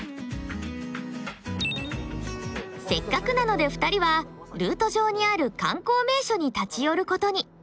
せっかくなので２人はルート上にある観光名所に立ち寄ることに。